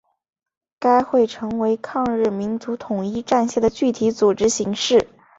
该会成为抗日民族统一战线的具体组织形式。